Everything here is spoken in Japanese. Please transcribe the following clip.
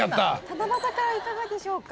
七夕からいかがでしょうか？